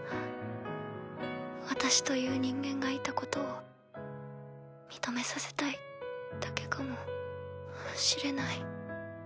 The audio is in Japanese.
私という人間がいたことを認めさせたいだけかもしれない。